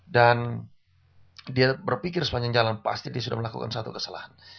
dan dia berpikir sepanjang jalan pasti dia sudah melakukan satu kesalahan